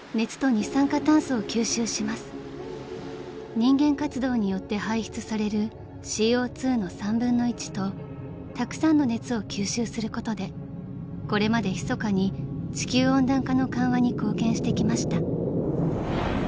［人間活動によって排出されるＣＯ２の３分の１とたくさんの熱を吸収することでこれまでひそかに地球温暖化の緩和に貢献してきました］